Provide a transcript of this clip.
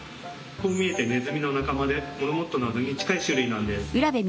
こう見えてネズミの仲間でモルモットなどに近い種類なんです。